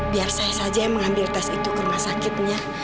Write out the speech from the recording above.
biar saya saja yang mengambil tes itu ke rumah sakitnya